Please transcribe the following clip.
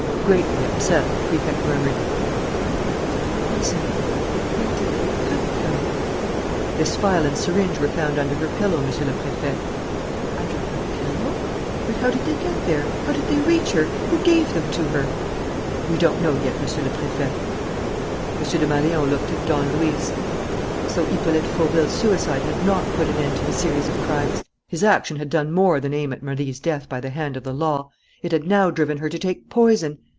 Greatly upset, the Prefect murmured: "But the poison where did it come from?" "This phial and syringe were found under her pillow, Monsieur le Préfet." "Under her pillow? But how did they get there? How did they reach her? Who gave them to her?" "We don't know yet, Monsieur le Préfet." M. Desmalions looked at Don Luis. So Hippolyte Fauville's suicide had not put an end to the series of crimes! His action had done more than aim at Marie's death by the hand of the law: it had now driven her to take poison!